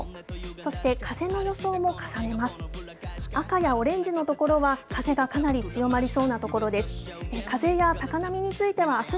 そして風の予想も重ねます。